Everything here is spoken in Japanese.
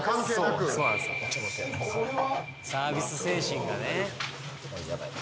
サービス精神がねやばい